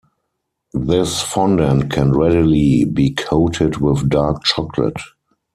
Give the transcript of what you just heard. This fondant can readily be coated with dark chocolate.